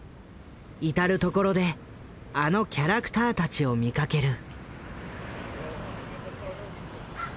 至る所であのキャラクターたちを見かける。